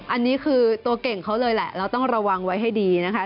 อันนี้คือตัวเก่งเขาเลยแหละเราต้องระวังไว้ให้ดีนะคะ